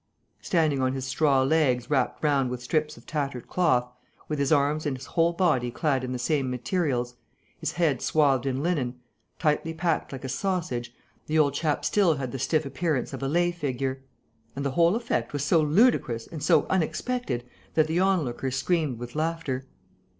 Standing on his straw legs wrapped round with strips of tattered cloth, with his arms and his whole body clad in the same materials, his head swathed in linen, tightly packed like a sausage, the old chap still had the stiff appearance of a lay figure. And the whole effect was so ludicrous and so unexpected that the onlookers screamed with laughter.